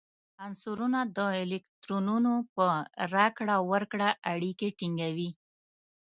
عنصرونه د الکترونونو په راکړه ورکړه اړیکې ټینګوي.